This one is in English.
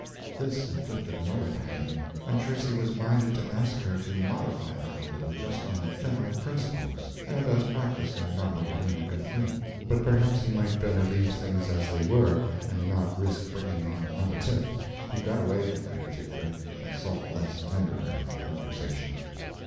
This inflicted another pang, and Tracy was minded to ask her to modify that a little just on general principles, and as practice in not overdoing a good thing—perhaps he might better leave things as they were and not risk bringing on another tiff. He got away from that particular, and sought less tender ground for conversation.